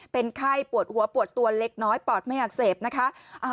เป็นไข้ปวดหัวปวดตัวเล็กน้อยปอดไม่อักเสบนะคะ